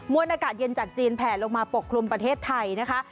วนอากาศเย็นจากจีนแผลลงมาปกคลุมประเทศไทยนะคะ